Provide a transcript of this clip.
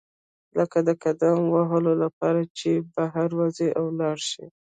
لکه د قدم وهلو لپاره چې بهر وزئ او لاړ شئ.